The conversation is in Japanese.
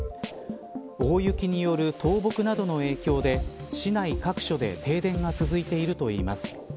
大雪による倒木などの影響で市内各所で停電が続いているといいます。